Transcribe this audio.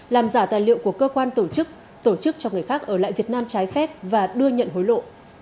làm giả tài liệu của cơ quan tổ chức tổ chức cho người khác ở lại việt nam trái phép và đưa nhận hối lộ